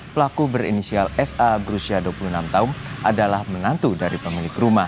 pelaku berinisial sa berusia dua puluh enam tahun adalah menantu dari pemilik rumah